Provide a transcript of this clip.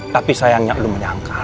tapi sayangnya lu menyangkal